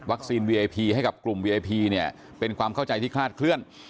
วีไอพีให้กับกลุ่มวีไอพีเนี่ยเป็นความเข้าใจที่คลาดเคลื่อน